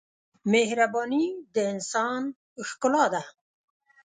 مهرباني د انسان ښکلا ده.